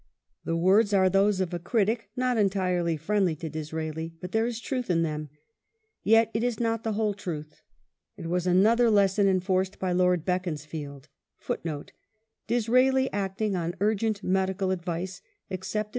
"] The words are those of a critic^ not entirely friendly to Disraeli, but there is truth in them. Yet it is not the whole truth. It was another lesson enforced by Lord Beaconsfield ^ with which his name will be immemorially associated.